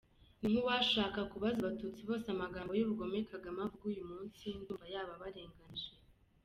Ntinkuwashaka kubaza abatutsi bose amagambo y’ubugome Kagame avuga uyu munsi ndumva yaba abarenganije.